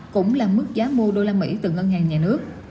cũng là mức giá mua đô la mỹ từ ngân hàng nhà nước